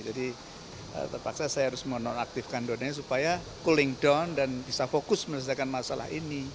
jadi terpaksa saya harus menonaktifkan donanya supaya cooling down dan bisa fokus menelusurkan masalah ini